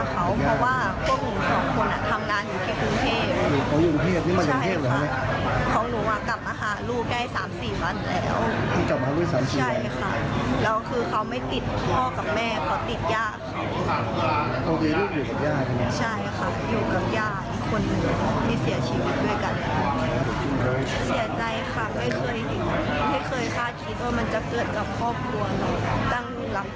ก็คิดว่ามันจะเกิดจากพ่อครัวตั้งหลักให้ทัน